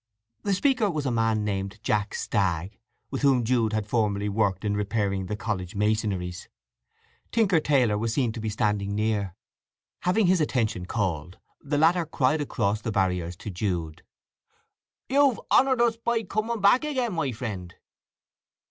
The speaker was a man named Jack Stagg, with whom Jude had formerly worked in repairing the college masonries; Tinker Taylor was seen to be standing near. Having his attention called the latter cried across the barriers to Jude: "You've honoured us by coming back again, my friend!"